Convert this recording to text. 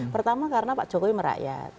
pertama karena pak jokowi merakyat